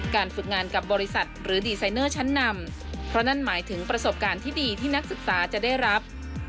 ฝึกงานกับบริษัทหรือดีไซเนอร์ชั้นนำเพราะนั่นหมายถึงประสบการณ์ที่ดีที่นักศึกษาจะได้รับ